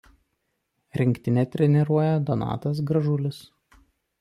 Rinktinę treniruoja Donatas Gražulis.